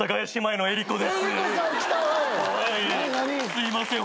すいません。